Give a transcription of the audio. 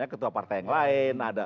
ketua partai yang lain